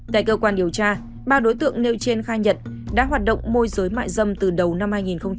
tại cơ quan điều tra ba đối tượng nêu trên khai nhận đã hoạt động môi giới mại dâm từ đầu năm hai nghìn một mươi chín